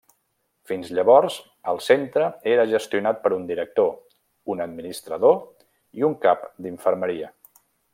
Fins llavors el centre era gestionat per un director, un administrador i un cap d'infermeria.